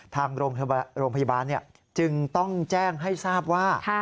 ทางโรงพยาบาลจึงต้องแจ้งให้ทราบว่า